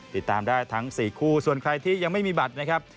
ติดตามได้ทั้ง๔คู่ส่วนใครที่ยังไม่มีบัตรนะครับ